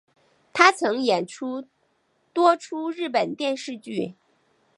她曾演出多出日本电视剧。